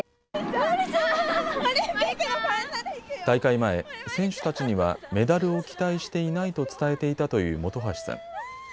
大会前、選手たちにはメダルを期待していないと伝えていたという本橋さん。